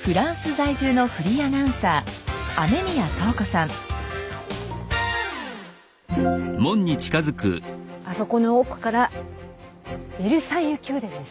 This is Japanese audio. フランス在住のフリーアナウンサーあそこの奥からヴェルサイユ宮殿です。